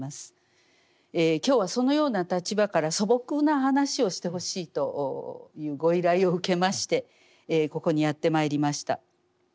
今日はそのような立場から素朴な話をしてほしいというご依頼を受けましてここにやってまいりました。